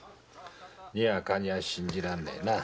にわかには信じられねえな。